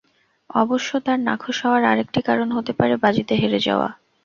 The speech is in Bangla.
অবশ্য, তাঁর নাখোশ হওয়ার আরেকটি কারণ হতে পারে বাজিতে হেরে যাওয়া।